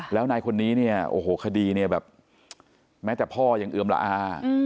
แล้วนายคนนี้เนี่ยโอ้โหคดีเนี่ยแบบแม้แต่พ่อยังเอือมละอา